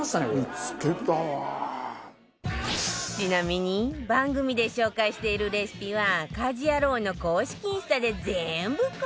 ちなみに番組で紹介しているレシピは『家事ヤロウ！！！』の公式インスタで全部公開中